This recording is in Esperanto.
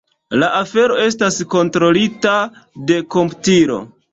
La afero estas kontrolita de komputilo.